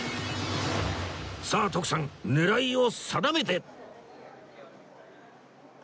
さあ徳さん狙いを定めて